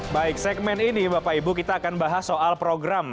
baik segmen ini bapak ibu kita akan bahas soal program